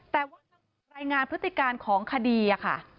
แต่ว่ารายงานพฤติการของคดีค่ะ